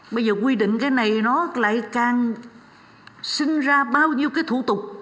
bây giờ quy định cái này nó lại càng sinh ra bao nhiêu cái thủ tục